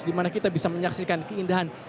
dimana kita bisa menyaksikan keindahan